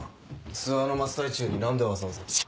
・ツアーの真っ最中に何でわざわざ。